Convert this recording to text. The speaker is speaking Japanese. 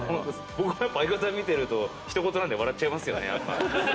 僕もやっぱ相方見てると人ごとなんで笑っちゃいますね。